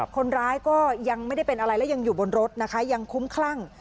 คนร้ายก็ยังไม่ได้เป็นอะไรแล้วยังอยู่บนรถนะคะยังคุ้มคลั่ง